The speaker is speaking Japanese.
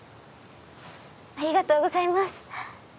ありがとうございます！